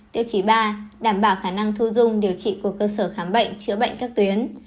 tiêu chí ba đảm bảo khả năng thu dung điều trị của cơ sở khám bệnh chữa bệnh các tuyến